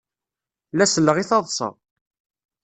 La selleɣ i taḍsa.